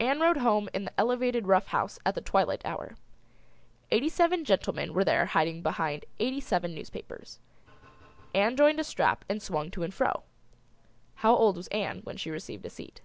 Ann rode home in the Elevated Rough House at the twilight hour. Eighty seven gentlemen were there hiding behind eighty seven newspapers. Ann joined a strap and swung to and fro. How old was Ann when she received a seat?